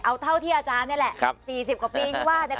เอาเท่าที่อาจารย์เนี้ยแหละครับสี่สิบกว่าปีอีกว่าเนี้ย